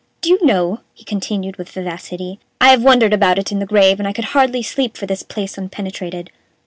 Do you know," he continued, with vivacity, "I have wondered about it in the grave, and I could hardly sleep for this place unpenetrated.